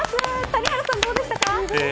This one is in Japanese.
谷原さん、どうでしたか。